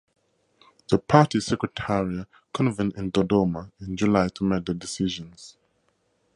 The party secretariat convened in Dodoma in July to make their decisions.